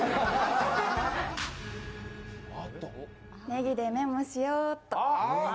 ネギでメモしようっと。